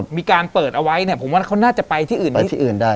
มีการเปิดเอาไว้ผมว่าเขาน่าจะไปที่อื่น